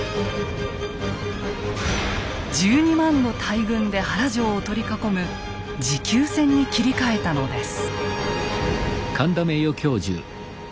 １２万の大軍で原城を取り囲む持久戦に切り替えたのです。